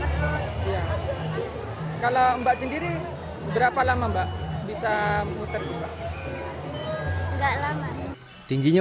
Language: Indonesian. tiga hari setelah latihan akhirnya